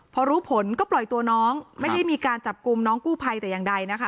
พอรู้ผลก็ปล่อยตัวน้องไม่ได้มีการจับกลุ่มน้องกู้ภัยแต่อย่างใดนะคะ